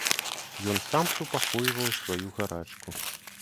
Ён сам супакойваў сваю гарачку.